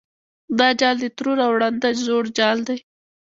دا جال د ترور او ړانده زوړ جال دی.